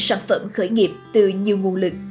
sản phẩm khởi nghiệp từ nhiều nguồn lực